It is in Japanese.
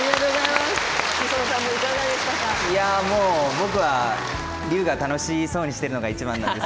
僕は隆が楽しそうにしているのがいちばんで。